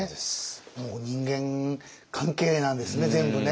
もう人間関係なんですね全部ね。